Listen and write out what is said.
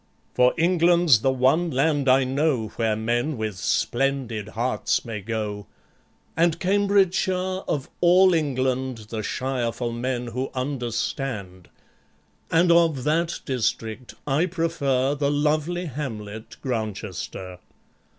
For England's the one land, I know, Where men with Splendid Hearts may go; And Cambridgeshire, of all England, The shire for Men who Understand; And of THAT district I prefer The lovely hamlet Grantchester.